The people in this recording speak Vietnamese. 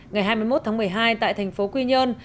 ngày hai mươi một tháng một mươi hai tại thành phố quy nhơn